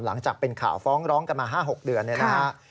หลังจากเป็นข่าวฟ้องร้องกันมา๕๖เดือนเนี่ยนะฮะ